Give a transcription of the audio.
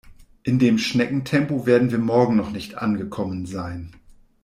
In dem Schneckentempo werden wir morgen noch nicht angekommen sein.